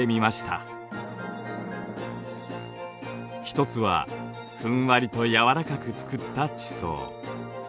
一つはふんわりと柔らかくつくった地層。